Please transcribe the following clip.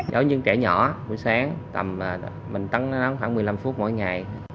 giống như trẻ nhỏ buổi sáng mình tắm nó khoảng một mươi năm phút mỗi ngày